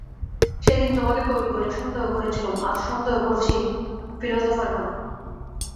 সেদিন তোমাকে কবি বলে সন্দেহ করেছিলুম, আজ সন্দেহ করছি ফিলজফার বলে।